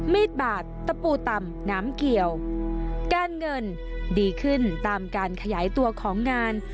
มีดบาดตะปูต่ำน้ำเกี่ยวการเงินดีขึ้นตามการขยายตัวของงาน